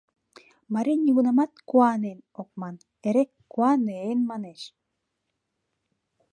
Марий нигунамат «куáнен» ок ман, эре «куанéн» манеш.